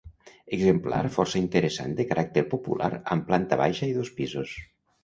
Exemplar força interessant de caràcter popular amb planta baixa i dos pisos.